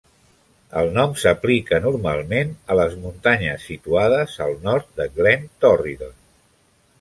El nom s'aplica normalment a les muntanyes situades al nord de Glen Torridon.